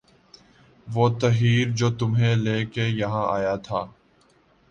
وُہ تحیّر جو تُمھیں لے کے یہاں آیا تھا